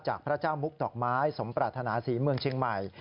พระเจ้ามุกดอกไม้สมปรารถนาศรีเมืองเชียงใหม่